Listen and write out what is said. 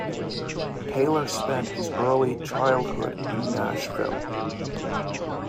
Taylor spent his early childhood in Nashville.